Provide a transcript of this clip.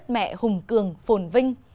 mẹ hùng cường phồn vinh